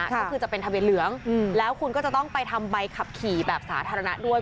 ก็คือจะเป็นทะเบียนเหลืองแล้วคุณก็จะต้องไปทำใบขับขี่แบบสาธารณะด้วย